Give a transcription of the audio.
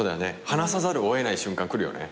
話さざるを得ない瞬間くるよね。